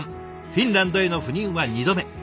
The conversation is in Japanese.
フィンランドへの赴任は２度目。